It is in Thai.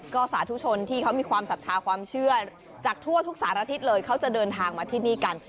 ก็สาธุชนที่เขามีความศรัทธาความเชื่อจากทั่วทุกสารทิศเลยเขาจะเดินทางมาที่นี่กัน